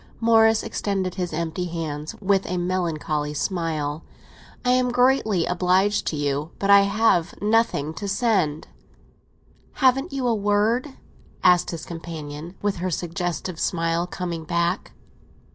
Morris extended his empty hands with a melancholy smile. "I am greatly obliged to you, but I have nothing to send." "Haven't you a word?" asked his companion, with her suggestive smile coming back.